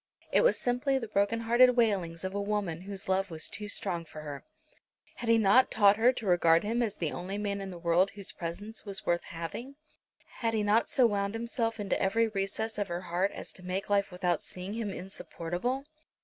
It was simply the broken hearted wailings of a woman whose love was too strong for her. Had he not taught her to regard him as the only man in the world whose presence was worth having? Had he not so wound himself into every recess of her heart as to make life without seeing him insupportable?